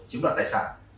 chiếm đoạn tài sản